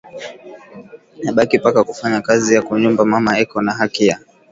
abaki paka ku fanya kazi ya ku nyumba mama eko na haki ya